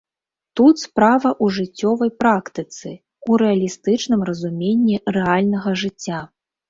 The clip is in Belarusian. Тут справа ў жыццёвай практыцы, у рэалістычным разуменні рэальнага жыцця.